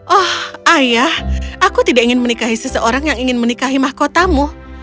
oh ayah aku tidak ingin menikahi seseorang yang ingin menikahi mahkotamu